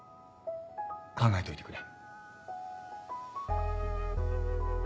考えといてくれ。